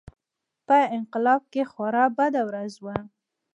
په انقلاب کې خورا بده ورځ وه.